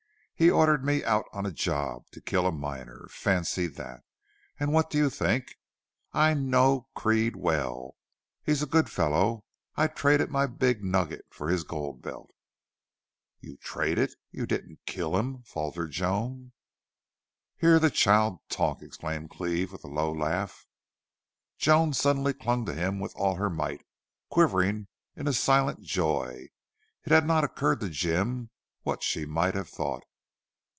He ordered me out on a job to kill a miner! Fancy that! And what do you think? I know Creede well. He's a good fellow. I traded my big nugget for his gold belt!" "You TRADED you didn't kill him!" faltered Joan. "Hear the child talk!" exclaimed Cleve, with a low laugh. Joan suddenly clung to him with all her might, quivering in a silent joy. It had not occurred to Jim what she might have thought.